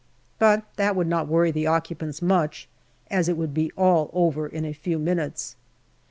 But that would not worry the occupants much, as it would be all over in a few minutes.